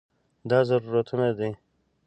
دا ضرورتونو ده.